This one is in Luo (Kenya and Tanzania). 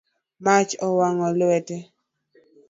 Mach owang’o lweta